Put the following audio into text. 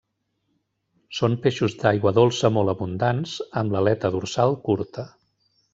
Són peixos d'aigua dolça molt abundants, amb l'aleta dorsal curta.